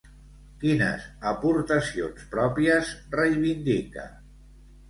Quines aportacions pròpies reivindica?